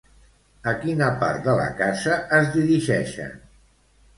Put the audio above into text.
A quina part de la casa es dirigeixen?